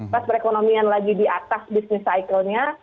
pas perekonomian lagi di atas business cyclenya